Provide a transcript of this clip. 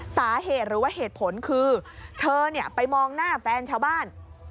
สาเหตุหรือว่าเหตุผลคือเธอไปมองหน้าแฟนชาวบ้าน